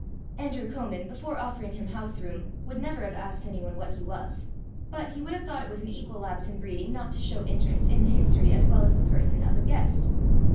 Andrew Comin, before offering him house room, would never have asked anyone what he was; but he would have thought it an equal lapse in breeding not to show interest in the history as well as the person of a guest.